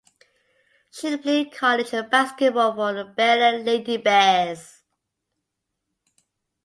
She played college basketball for the Baylor Lady Bears.